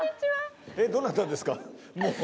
どなたですか？